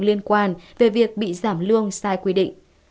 liên quan về việc bị giảm lương sai quy định